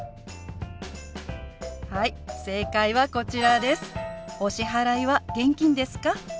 はい正解はこちらです。